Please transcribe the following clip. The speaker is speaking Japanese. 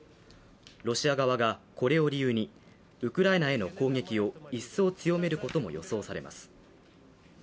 ロシア側がこれを理由にウクライナへの攻撃を一層強めることも予想されます。